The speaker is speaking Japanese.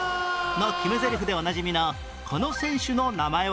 の決めゼリフでおなじみのこの選手の名前は？